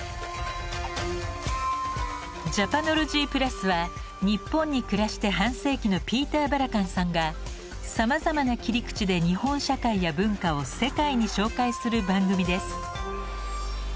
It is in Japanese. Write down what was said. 「ＪａｐａｎｏｌｏｇｙＰｌｕｓ」は日本に暮らして半世紀のピーター・バラカンさんがさまざまな切り口で日本社会や文化を世界に紹介する番組です。